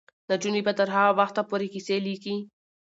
نجونې به تر هغه وخته پورې کیسې لیکي.